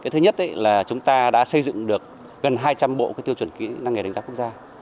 thứ nhất là chúng ta đã xây dựng được gần hai trăm linh bộ tiêu chuẩn kỹ năng nghề đánh giá quốc gia